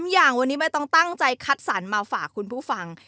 อย่างวันนี้ไม่ต้องตั้งใจคัดสรรมาฝากคุณผู้ฟัง